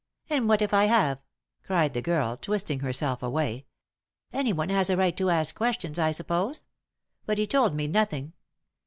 "And what if I have?" cried the girl, twisting herself away. "Anyone has a right to ask questions, I suppose? But he told me nothing."